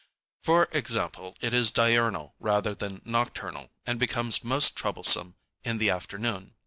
For example, it is diurnal rather than nocturnal and becomes most troublesome in the afternoon.